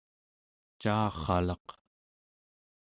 caarralaq